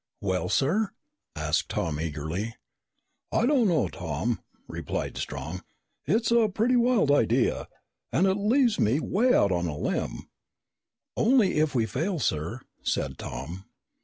"Well, sir?" asked Tom eagerly. "I don't know, Tom," replied Strong. "It's a pretty wild idea. And it leaves me way out on a limb." "Only if we fail, sir," said Tom.